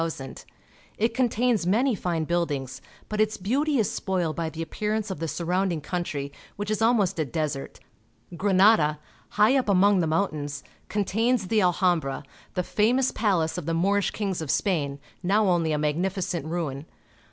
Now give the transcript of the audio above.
It contains many fine buildings, but its beauty is spoiled by the appearance of the surround ing country, which is almost a desert. Granada, high up among the mountains, contains the Alhambra, the famous palace of the Moorish kings of Spain, now only a magnificent ruin.